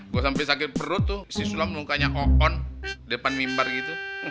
gue sampe sakit perut tuh sisulam mukanya oon depan mimbar gitu